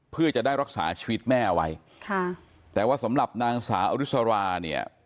เพื่อจะได้รักษาชีวิตแม่เอาไว้ค่ะแต่ว่าสำหรับนางสาวอริสราเนี่ย